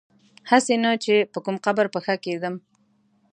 هسي نه چي په کوم قبر پښه کیږدم